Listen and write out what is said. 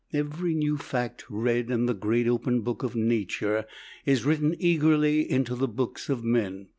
Every new fact read in the great open book of nature is written eagerly into the books of men.